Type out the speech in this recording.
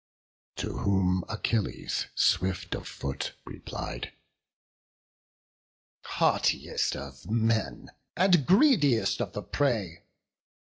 To whom Achilles, swift of foot, replied: "Haughtiest of men, and greediest of the prey!